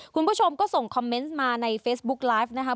คุณผู้ชมก็ส่งคอมเมนต์มาในเฟซบุ๊กไลฟ์นะคะ